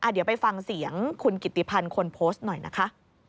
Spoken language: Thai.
เดี๋ยวไปฟังเสียงคุณกิติพันธ์คนโพสต์หน่อยนะคะ